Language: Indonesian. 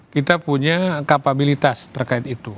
kita punya kapabilitas terkait itu